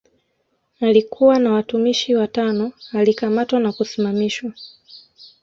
Alikuwa na watumishi watano alikamatwa na kusimamishwa